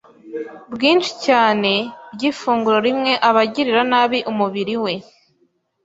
bwinshi cyane by’ifunguro rimwe aba agirira nabi umubiri we.